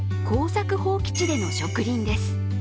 耕作放棄地での植林です。